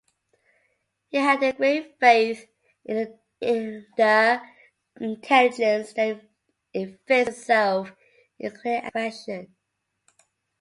He had a great faith in the intelligence that evinced itself in clear expression.